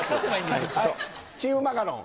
はいチームマカロン。